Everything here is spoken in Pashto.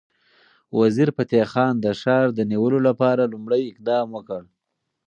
وزیرفتح خان د ښار د نیولو لپاره لومړی اقدام وکړ.